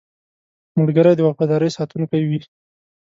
ملګری د وفادارۍ ساتونکی وي